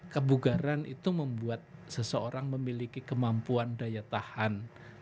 kebugaran itu membuat seseorang memiliki kemampuan daya tahan